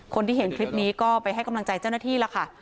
คนที่เห็นคลิปนี้ก็ไปให้กำลังใจเจ้าหน้าที่แล้วค่ะ